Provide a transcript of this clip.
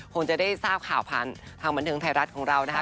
คงจะได้ทราบข่าวผ่านทางบันเทิงไทยรัฐของเรานะคะ